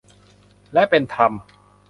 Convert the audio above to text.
และเป็นธรรม